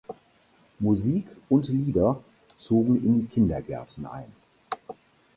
Musik und Lieder zogen in die Kindergärten ein.